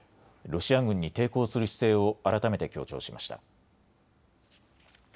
ロシア軍に抵抗する姿勢を改めて強調しました。